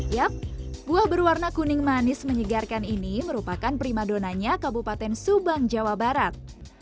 yap buah berwarna kuning manis menyegarkan ini merupakan prima donanya kabupaten subang jawa barat